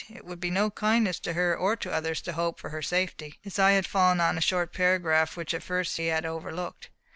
It would be no kindness to her or to others to hope for her safety." His eye had fallen on a short paragraph, which at first he had overlooked.